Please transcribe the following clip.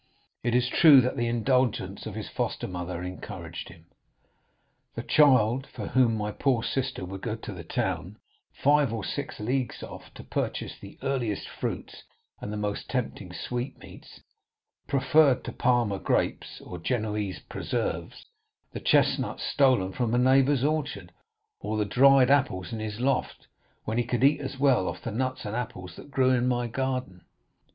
It is true that the indulgence of his foster mother encouraged him. This child, for whom my poor sister would go to the town, five or six leagues off, to purchase the earliest fruits and the most tempting sweetmeats, preferred to Palma grapes or Genoese preserves, the chestnuts stolen from a neighbor's orchard, or the dried apples in his loft, when he could eat as well of the nuts and apples that grew in my garden.